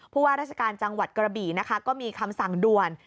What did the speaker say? ว่าราชการจังหวัดกระบี่นะคะก็มีคำสั่งด่วน